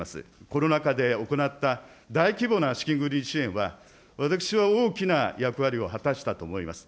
コロナ禍で行った、大規模な資金繰り支援は、私は大きな役割を果たしたと思います。